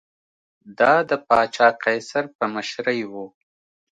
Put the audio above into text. دا د پاچا قیصر په مشرۍ و